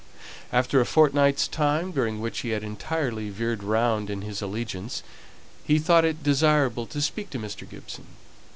After a fortnight's time, during which he had entirely veered round in his allegiance, he thought it desirable to speak to Mr. Gibson.